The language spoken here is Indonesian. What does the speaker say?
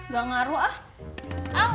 gak ngaruh ah